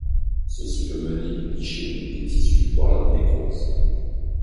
Ceci peut mener à l’ischémie des tissus voir leurs nécroses.